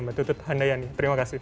mbak tutut handayani terima kasih